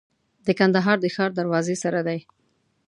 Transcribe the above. د کندهار د ښار دروازې سره دی.